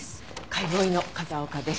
解剖医の風丘です。